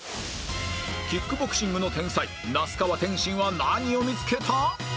キックボクシングの天才那須川天心は何を見つけた？